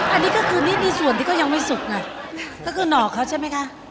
อันนี้ก็คือนี่ในส่วนที่เขายังไม่สุกไงก็คือหนอกเขาใช่ไหมคะ